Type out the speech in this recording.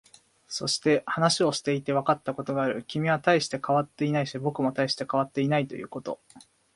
そして、話をしていてわかったことがある。君は大して変わっていないし、僕も大して変わっていないということ。